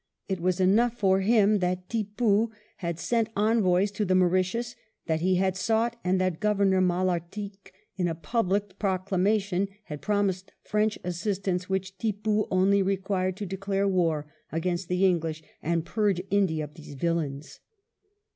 It was enough for him that Tippoo had sent envoys to the Mauritius, that he had sought, and that Governor Malartic in a public proclamation had promised, French assistance, which Tippoo only required to declare war against the English, and " purge India of these villains."